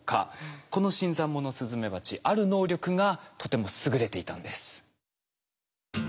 この新参者スズメバチある能力がとても優れていたんです。